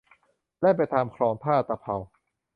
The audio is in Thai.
แล่นไปตามคลองท่าตะเภา